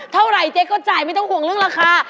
เท่าไหร่เจ๊ก็จ่ายไม่ต้องห่วงเรื่องราคา